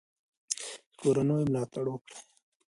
د کورنیو ملاتړ وکړئ.